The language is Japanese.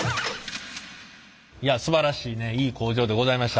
すばらしいいい工場でございました。